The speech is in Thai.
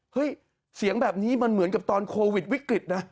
เสียงแบบนี้มันเหมือนกับตอนโควิดวิกฤตนะ